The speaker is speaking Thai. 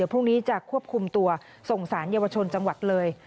พรุ่งนี้จะควบคุมตัวส่งสารเยาวชนจังหวัดเลย